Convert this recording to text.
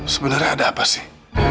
sebenernya ada apa sih